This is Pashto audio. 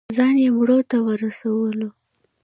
ځان یې مروه ته ورسولو.